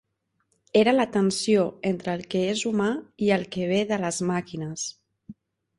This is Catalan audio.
Era la tensió entre el que és humà i el que ve de les màquines.